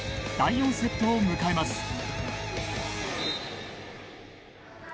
第４セットを迎えます。